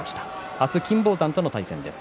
明日は金峰山との対戦です。